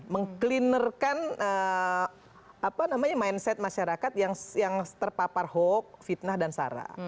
mengcleanerkan apa namanya mindset masyarakat yang terpapar hoax fitnah dan sara